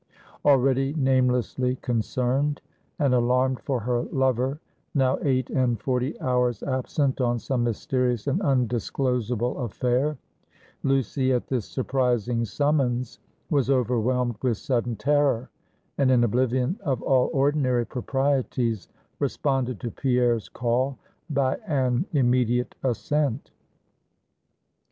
Already namelessly concerned and alarmed for her lover, now eight and forty hours absent on some mysterious and undisclosable affair; Lucy, at this surprising summons was overwhelmed with sudden terror; and in oblivion of all ordinary proprieties, responded to Pierre's call, by an immediate assent.